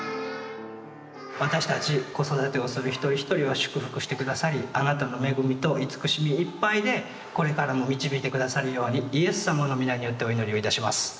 私たち子育てをする一人一人を祝福して下さりあなたの恵みと慈しみいっぱいでこれからも導いて下さるようにイエス様の御名によってお祈りをいたします。